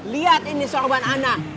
lihat ini sorban anda